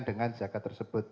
dengan zakat tersebut